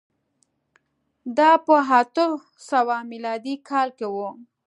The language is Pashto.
دا په اتو سوه میلادي کال کې و